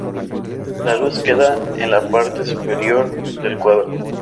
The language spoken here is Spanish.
La luz queda en la parte superior del cuadro.